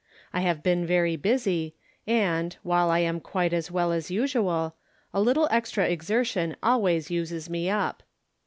I have been very busy, and, while I am quite as well as usual, a little extra exertion alwa5"s uses me up.